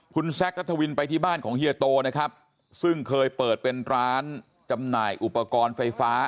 คุณแซคนัทวินไปที่บ้านของเฮียโตนะครับซึ่งเคยเปิดเป็นร้านจำหน่ายอุปกรณ์ไฟฟ้า